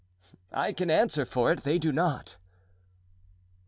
"I can answer for it they do not."